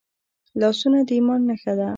لاسونه د ایمان نښه ده